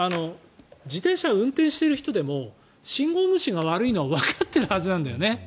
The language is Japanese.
自転車を運転している人でも信号無視が悪いのはわかってるはずなんだよね。